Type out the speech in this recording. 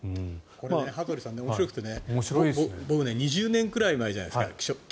これ面白くて、僕２０年くらい前じゃないですか。